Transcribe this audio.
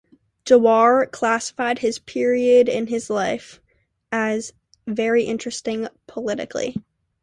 Jawara classified this period in his life "as very interesting politically".